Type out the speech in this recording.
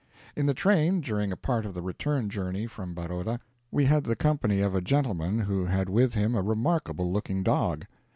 In the train, during a part of the return journey from Baroda, we had the company of a gentleman who had with him a remarkable looking dog.